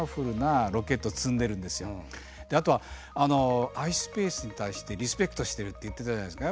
あとはｉｓｐａｃｅに対してリスペクトしてるって言ってたじゃないですか。